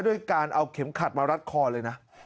ด้วยการเอาเข็มขัดมารัดคอเลยนะ